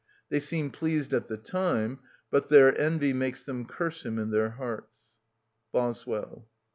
They seem pleased at the time, but their envy makes them curse him in their hearts" (Boswell; aet.